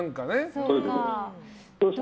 そういうこと。